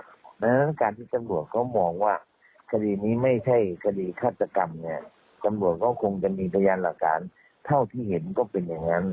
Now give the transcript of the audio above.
กำบวนก็คงจะมีพยานหลักฐานเท่าที่เห็นก็เป็นอย่างนั้น